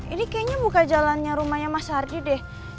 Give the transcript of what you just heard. ini kayaknya bukan jalannya rumahnya mas hardy deh